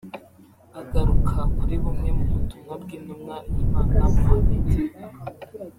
Agaruka kuri bumwe mu butumwa bw’Intumwa y’Imana Mohammed